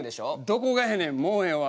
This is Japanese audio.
どこがやねんもうええわ。